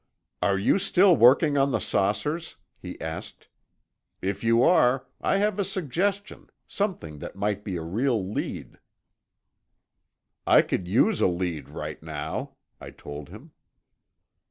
"Are you still working on the saucers?" he asked. "If you are, I have a suggestion—something that might be a real lead." "I could use a lead right now," I told him.